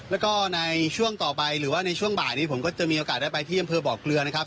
แล้วก็ในช่วงต่อไปหรือว่าในช่วงบ่ายนี้ผมก็จะมีโอกาสได้ไปที่อำเภอบ่อเกลือนะครับ